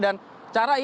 dan cara ini